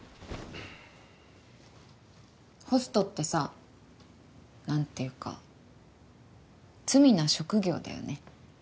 ホストってさ何ていうか罪な職業だよね。